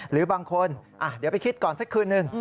หรือบางคนเดี๋ยวไปคิดก่อนสักคืนนึง